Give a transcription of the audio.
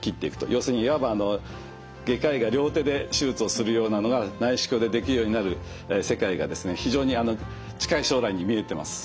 要するにいわば外科医が両手で手術をするようなのが内視鏡でできるようになる世界がですね非常に近い将来に見えてます。